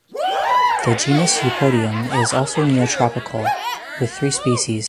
The genus "Eupodium" is also neotropical, with three species.